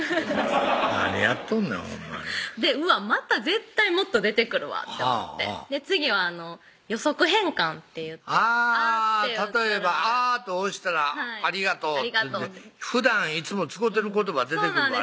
何やっとんねんほんまにうわっまた絶対もっと出てくるわって思って次は予測変換っていって「あ」って打ったら例えば「あ」と押したら「ありがとう」っていってふだんいつも使てる言葉出てくるわね